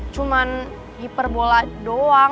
cuman hiperbola doang